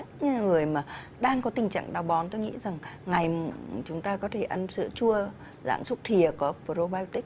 nhưng mà người mà đang có tình trạng tào bón tôi nghĩ rằng ngày chúng ta có thể ăn sữa chua dạng súc thịa có probiotic